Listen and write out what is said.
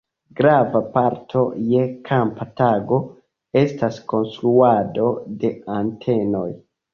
Grava parto je kampa tago estas konstruado de antenoj.